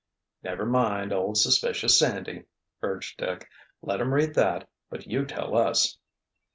"Never mind old Suspicious Sandy," urged Dick. "Let him read that, but you tell us."